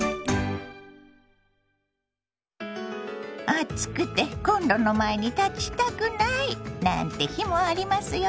「暑くてコンロの前に立ちたくない」なんて日もありますよね。